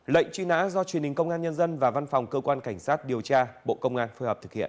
lệnh truy nã do truyền hình công an nhân dân và văn phòng cơ quan cảnh sát điều tra bộ công an phối hợp thực hiện